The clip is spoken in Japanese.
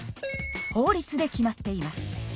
法律で決まっています。